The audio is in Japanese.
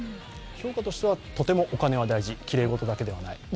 評価としては、とてもお金は大事きれい事だけではない。